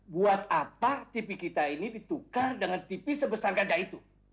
buat apa tv kita ini ditukar dengan tipis sebesar ganja itu